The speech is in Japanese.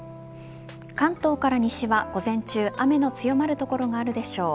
関東から西は午前中雨の強まる所があるでしょう。